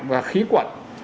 và khí quẩn